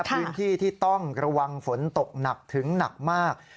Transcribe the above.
พื้นที่ที่ต้องระวังฝนตกหนักถึงหนักมาก